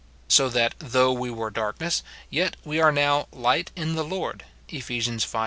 So that ' though we were darkness,' yet we are now 'light in the Lord,' Eph. v.